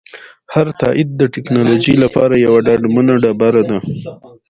هر تایید د ټکنالوژۍ لپاره یوه ډاډمنه ډبره ده.